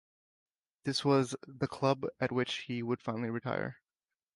This was the club at which he would finally retire.